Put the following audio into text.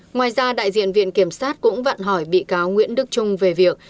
ngoài ra đại diện viện kiểm sát cũng vận hỏi bị cáo nguyễn đức trung về việc